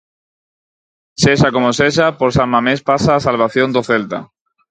Sexa como sexa por San Mamés pasa a salvación do Celta.